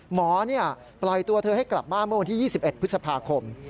หมอปล่อยตัวเธอให้กลับบ้านเมื่อวันที่๒๑พฤษภาคม